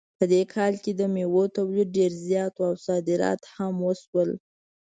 په دې کال کې د میوو تولید ډېر زیات و او صادرات هم وشول